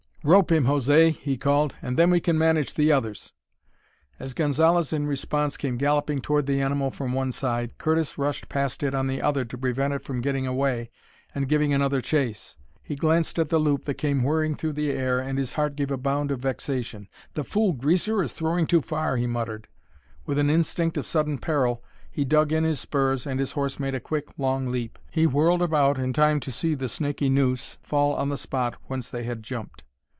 "Rope him, José," he called, "and then we can manage the others." As Gonzalez in response came galloping toward the animal from one side, Curtis rushed past it on the other to prevent it from getting away and giving another chase. He glanced at the loop that came whirring through the air and his heart gave a bound of vexation. "The fool greaser is throwing too far," he muttered. With an instinct of sudden peril he dug in his spurs and his horse made a quick, long leap. He whirled about in time to see the snakey noose fall on the spot whence they had jumped.